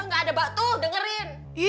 gak ada batu dengerin